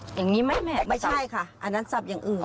อย่างนี้ไหมแม่ไม่ใช่ค่ะอันนั้นสับอย่างอื่น